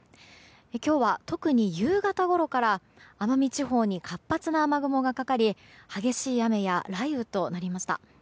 今日は特に夕方ごろから奄美地方に活発な雨雲がかかり激しい雨や雷雨となりました。